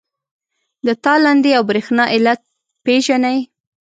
د تالندې او برېښنا علت پیژنئ؟